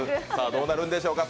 どうなるんでしょうか